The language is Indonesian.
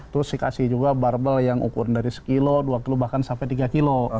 terus dikasih juga barbell yang ukuran dari satu kilo dua kilo bahkan sampai tiga kilo